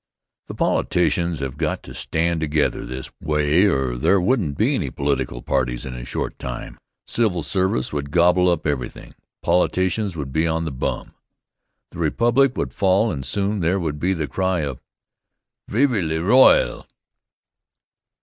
The politicians have got to stand together this way or there wouldn't be any political parties in a short time. Civil service would gobble up everything, politicians would be on the bum, the republic would fall and soon there would be the cry of "Vevey le roil".